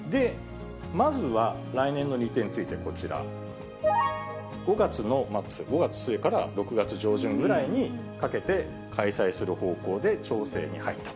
まずは来年の日程についてこちら、５月の末、５月末から６月上旬ぐらいにかけて開催する方向で調整に入ったと。